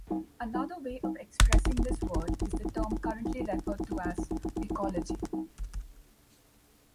Another way of expressing this word is the term currently referred to as "ecology".